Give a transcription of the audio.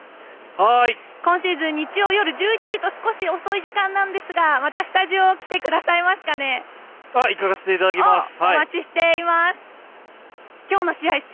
今シーズン、日曜夜１１時と少し遅い時間なんですがまたスタジオに行かせていただきます。